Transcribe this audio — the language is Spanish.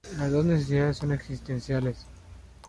Las dos necesidades son existenciales.